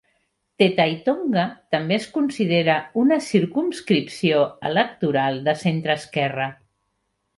Te Tai Tonga també es considera una circumscripció electoral de centreesquerra.